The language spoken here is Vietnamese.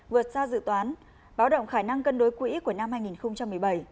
vượt xa dự toán báo động khả năng cân đối quỹ của năm hai nghìn một mươi bảy